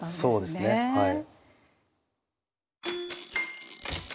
そうですねはい。